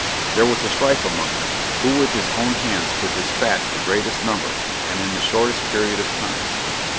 there was a strife among them, who with his own hands could despatch the greatest number, and in the shortest period of time.